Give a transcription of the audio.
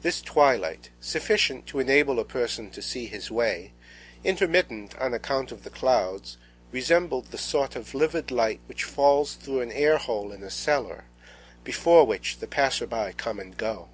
This twilight, sufficient to enable a person to see his way, intermittent on account of the clouds, resembled the sort of livid light which falls through an air hole in a cellar, before which the passers by come and go.